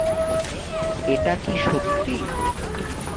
এটা কি সত্যি?